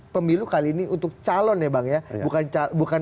pemilu kali ini untuk calon ya bang ya